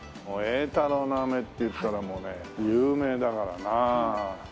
榮太樓の飴っていったらもうね有名だからな。